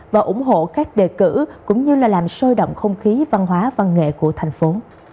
và ủng hộ các đề cử cũng như là làm sôi động không khí văn hóa văn nghệ của thành phố